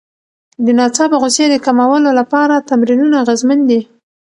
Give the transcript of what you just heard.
د ناڅاپه غوسې د کمولو لپاره تمرینونه اغېزمن دي.